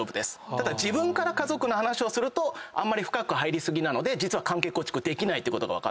ただ自分から家族の話をすると深く入り過ぎなので実は関係構築できないってことが分かってるんです。